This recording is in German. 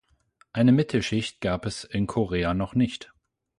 Eine Mittelschicht gab es in Korea noch nicht.